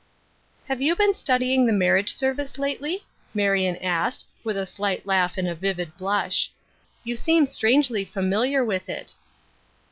" Have you been studying the marriage ser vice lately?" Marion asked, with a light laugh an<i a vivid blush. " You seem strangely famil iar with it."